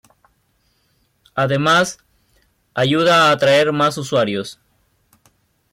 Además, ayuda a atraer más usuarios.